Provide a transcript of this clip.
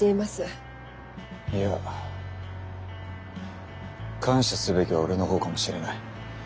いや感謝すべきは俺の方かもしれない。